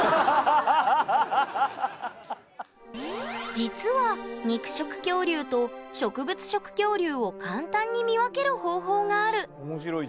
実は肉食恐竜と植物食恐竜を簡単に見分ける方法がある。